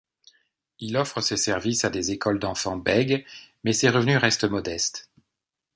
Il offre ses services à des écoles d'enfants bègues mais ses revenus restent modestes.